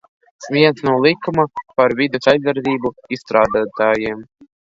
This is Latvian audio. "Viens no likuma "Par vides aizsardzību" izstrādātājiem."